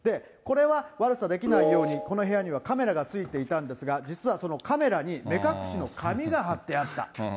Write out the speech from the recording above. これは悪さできないように、この部屋にはカメラがついていたんですが、実はそのカメラに目隠しの紙が貼ってあった。